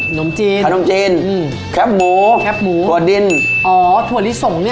ขนมจีนแคปหมูถั่วดินอ๋อถั่วลิสงเนี่ย